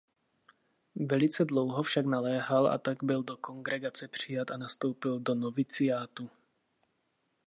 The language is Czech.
Velice dlouho však naléhal a tak byl do kongregace přijat a nastoupil do noviciátu.